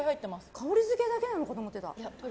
香りづけだけなのかと思ってた。